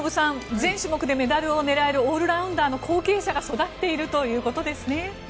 全種目でメダルを狙えるオールラウンダーの後継者が育っているということですね。